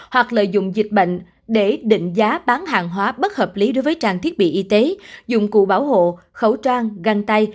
và dùng dịch bệnh để định giá bán hàng hóa bất hợp lý đối với trang thiết bị y tế dùng cụ bảo hộ khẩu trang găng tay